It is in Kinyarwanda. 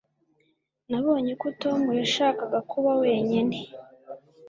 nabonye ko tom yashakaga kuba wenyine